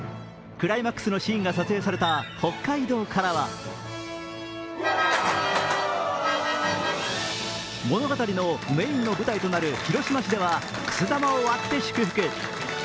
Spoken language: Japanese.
クライマックスのシーンが撮影された北海道からは物語のメーンの舞台となる広島市では、くす玉を割って祝福。